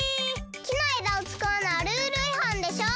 きのえだをつかうのはルールいはんでしょ！